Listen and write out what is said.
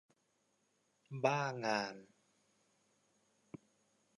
บ้างาน ?